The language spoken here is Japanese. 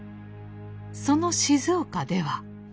その静岡では。